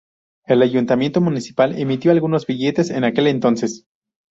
El ayuntamiento municipal emitió algunos billetes en aquel entonces.